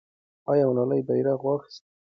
آیا ملالۍ بیرغ واخیست؟